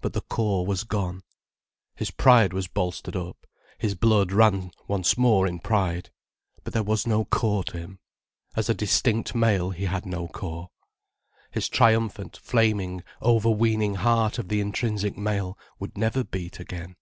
But the core was gone. His pride was bolstered up, his blood ran once more in pride. But there was no core to him: as a distinct male he had no core. His triumphant, flaming, overweening heart of the intrinsic male would never beat again.